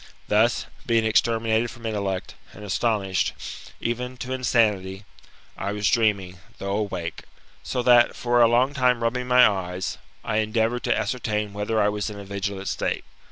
Thus, being exterminated from intellect, and astonished, even to insanity, I was dreaming, though awake ; so that, for a long time rubbing my eyes, I endeavoured to ascertain whether I was in a vigilant state.